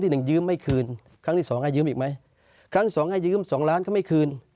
ทั้งสองให้ยืมสองล้านก็ไม่คืน